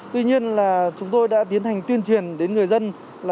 tuy nhiên là chúng tôi đã tiến hành tuyên truyền đến người dân